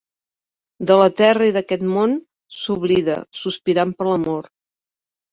De la terra i d’aquest món s’oblida, sospirant per la mort.